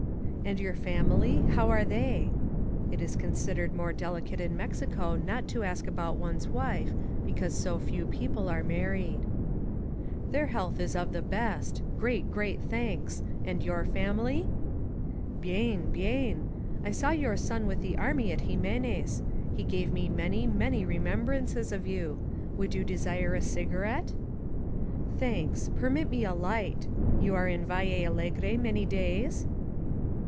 "And your family? How are they?" (It is consid* ered more delicate in Mexico not to ask about one's wife, because so few people are married.) "Their health is of the best. Great, great thanks. And your family?" "JSfen, hienl I saw your son with the army at Jime nez. He gave me many, many remembrances of you. Would you desire a cigarette?" "Thanks. Permit me, a Ught. You are in Valle Al legre many days?"